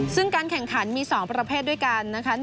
ซึ่งการแข่งขันมี๒ประเภทด้วยกันนะคะ